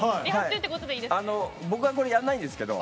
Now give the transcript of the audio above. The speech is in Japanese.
僕、これはやらないんですけど。